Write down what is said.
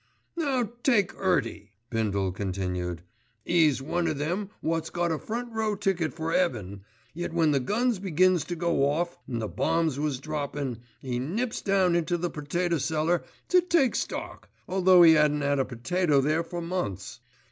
"Now take 'Earty," Bindle continued, "'E's one o' them wot's got a front row ticket for 'eaven; yet when the guns begins to go off, and the bombs was droppin', 'e nips down into the potato cellar 'to take stock', although 'e 'adn't 'ad a potato there for months.